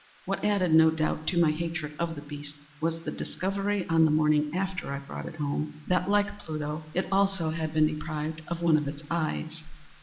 What added, no doubt, to my hatred of the beast, was the discovery, on the morning after I brought it home, that, like Pluto, it also had been deprived of one of its eyes.